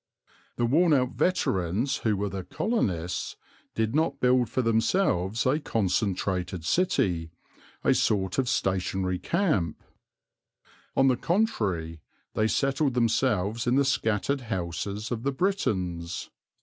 The worn out veterans, who were the colonists, did not build for themselves a concentrated city, a sort of stationary camp. On the contrary, they settled themselves in the scattered houses of the Britons.